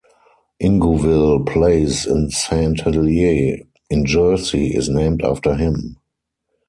Ingouville Place in Saint Helier in Jersey, is named after him.